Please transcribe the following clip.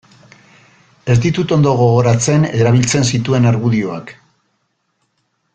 Ez ditut ondo gogoratzen erabiltzen zituen argudioak.